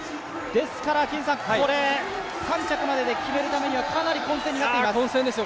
ですから３着までに決めるためにはかなり混戦になっています。